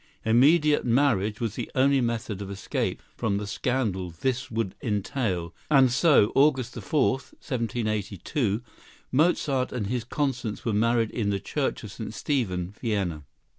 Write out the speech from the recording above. Immediate marriage was the only method of escape from the scandal this would entail; and so, August 4, 1782, Mozart and his Constance were married in the Church of St. Stephen, Vienna.